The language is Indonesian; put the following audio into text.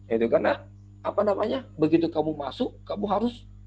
itu karena apa namanya begitu kamu masuk kamu harus